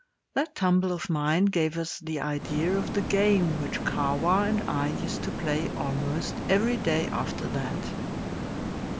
That tumble of mine gave us the idea of the game which Kahwa and I used to play almost every day after that.